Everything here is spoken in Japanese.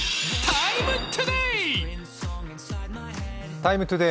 「ＴＩＭＥ，ＴＯＤＡＹ」